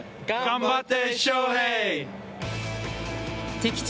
敵地